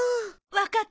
わかった。